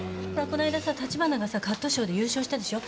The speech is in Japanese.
こないださ立花がさカットショーで優勝したでしょ。